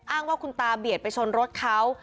อ้างว่าคุณตาเบียดไปชนรถเขา